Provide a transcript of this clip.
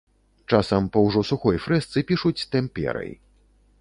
Часам па ўжо сухой фрэсцы пішуць тэмперай.